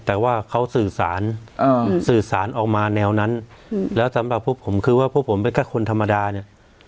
แต่ว่าเขาสื่อสารสื่อสารออกมาแนวนั้นแล้วสำหรับพวกผมคือว่าพวกผมเป็นแค่คนธรรมดาเนี่ย